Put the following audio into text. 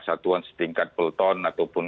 satuan setingkat peleton ataupun